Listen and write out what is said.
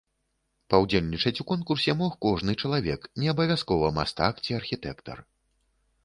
Паўдзельнічаць у конкурсе мог кожны чалавек, не абавязкова мастак ці архітэктар.